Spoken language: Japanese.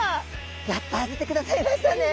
やっと当ててくださいましたね。